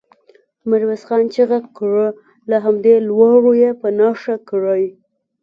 ميرويس خان چيغه کړه! له همدې لوړو يې په نښه کړئ.